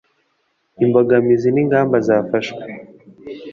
imbogamizi n ingamba zafashwe